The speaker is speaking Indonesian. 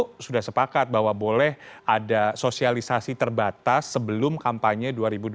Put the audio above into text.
kpu sudah sepakat bahwa boleh ada sosialisasi terbatas sebelum kampanye dua ribu dua puluh